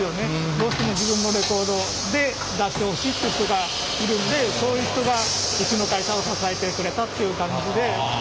どうしても自分のレコードで出してほしいっていう人がいるんでそういう人がうちの会社を支えてくれたっていう感じで。